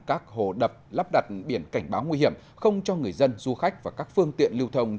các hồ đập lắp đặt biển cảnh báo nguy hiểm không cho người dân du khách và các phương tiện lưu thông